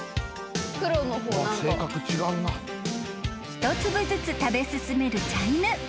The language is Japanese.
［一粒ずつ食べ進める茶犬］